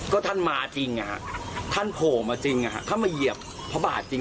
ก็ท่านมาจริงท่านโผล่มาจริงถ้ามาเหยียบพระบาทจริง